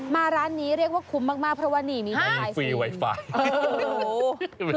มาร้านนี้เรียกว่าคุ้มมากเพราะว่านี่มีฟรีไวไฟ